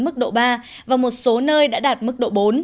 mức độ ba và một số nơi đã đạt mức độ bốn